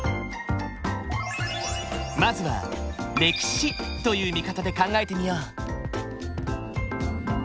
まずは歴史という見方で考えてみよう。